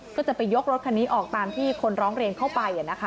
ก็จะไปยกรถคันนี้ออกตามที่คนร้องเรียนเข้าไป